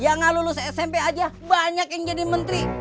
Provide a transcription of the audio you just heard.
yang gak lulus smp aja banyak yang jadi menteri